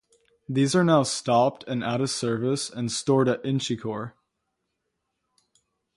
These are now stopped and out of service, and stored at Inchicore.